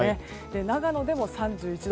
長野でも３１度。